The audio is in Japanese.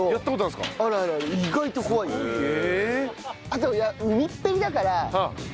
あとは海っぺりだから。